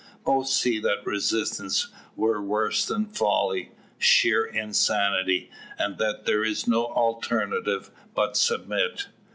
Both see that resistance were worse than folly sheer insanity and that there is no alternative but submit.